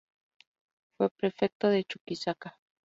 Fue Prefecto de Chuquisaca.